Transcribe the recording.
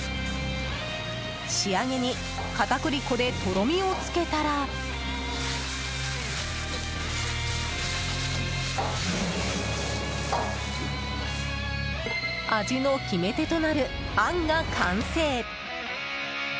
仕上げに片栗粉でとろみをつけたら味の決め手となる、あんが完成。